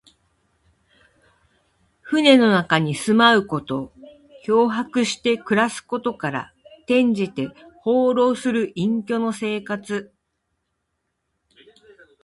船の中に住まうこと。漂泊して暮らすことから、転じて、放浪する隠者の生活。